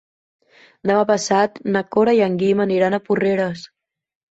Demà passat na Cora i en Guim aniran a Porreres.